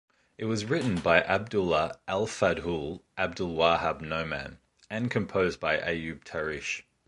It was written by Abdullah "Al-Fadhool" Abdulwahab Noman and composed by Ayoob Tarish.